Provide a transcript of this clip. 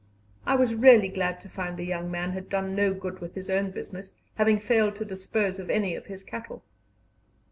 I was really glad to find the young man had done no good with his own business, having failed to dispose of any of his cattle.